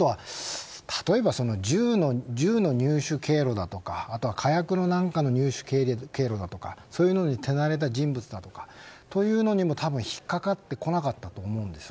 例えば銃の入手経路だとか火薬の入手経路だとかそういうのに手慣れた人物だとかというのにも引っかかってこなかったと思うんです。